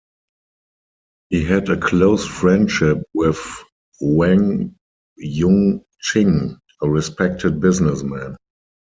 He had a close friendship with Wang Yung-ching, a respected businessman.